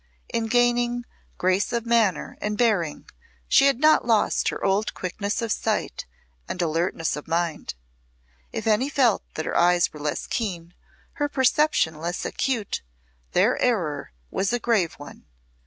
In gaining grace of manner and bearing she had not lost her old quickness of sight and alertness of mind; if any felt that her eyes were less keen, her perception less acute, their error was a grave one.